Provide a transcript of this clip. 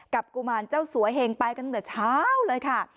กับกุมารเจ้าสวยเห็งไปกันตั้งแต่เช้าเลยค่ะ